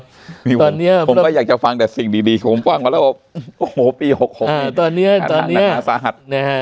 ผมก็อยากจะฟังแต่สิ่งดีของผมกว้างมาแล้วปี๖๖นักนาศาหรรษ